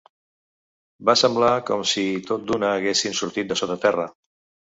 Va semblar com si tot d'una haguessin sortit de sota terra